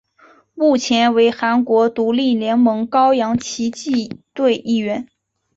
目前为韩国独立联盟高阳奇迹队一员。